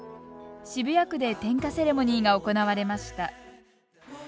渋谷区で点火セレモニーが行われました。